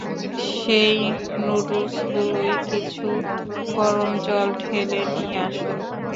সেই নুডলসগুলোয় কিছু গরম জল ঢেলে নিয়ে আসো।